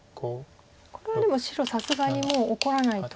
これはでも白さすがにもう怒らないと。